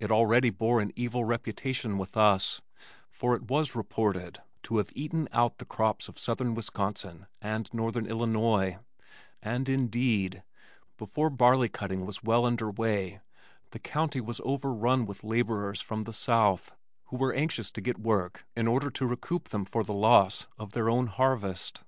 It already bore an evil reputation with us for it was reported to have eaten out the crops of southern Wisconsin and northern Illinois, and, indeed, before barley cutting was well under way the county was overrun with laborers from the south who were anxious to get work in order to recoup them for the loss of their own harvest.